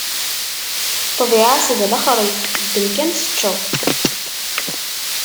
Ṭṭbiɛa-s d lexṛif, ddem kan teččeḍ!